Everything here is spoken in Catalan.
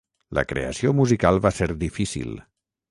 La creació musical va ser difícil.